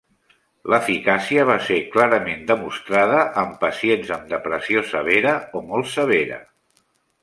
L'eficàcia va ser clarament demostrada en pacients amb depressió severa o molt severa.